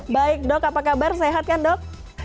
baik dok apa kabar sehat kan dok